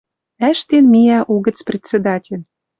Ӓштен миӓ угӹц председатель